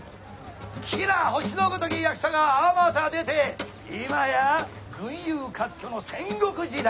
綺羅星のごとき役者があまた出て今や群雄割拠の戦国時代。